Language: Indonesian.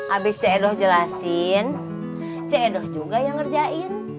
abis cedoh jelasin cedoh juga yang ngerjain